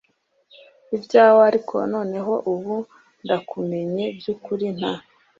Ibyawe ariko noneho ubu ndakumenye by ukuri nta